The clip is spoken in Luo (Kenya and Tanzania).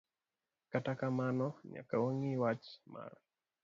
Kata kamano nyaka wang'i wach mar